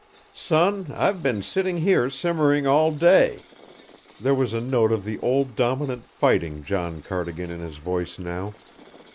"Son, I've been sitting here simmering all day." There was a note of the old dominant fighting John Cardigan in his voice now.